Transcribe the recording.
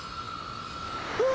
うわ！